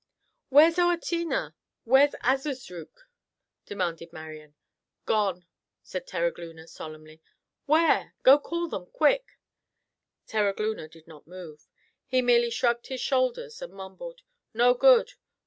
"Where's Oatinna? Where's Azazruk?" demanded Marian. "Gone," said Terogloona solemnly. "Where? Go call them, quick!" Terogloona did not move. He merely shrugged his shoulders and mumbled: "No good.